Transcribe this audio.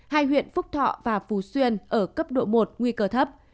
hai huyện phúc thọ và phú xuyên ở cấp độ một nguy cơ thấp